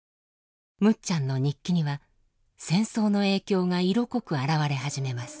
むっちゃんの日記には戦争の影響が色濃く表れ始めます。